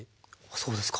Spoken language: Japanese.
そうですか。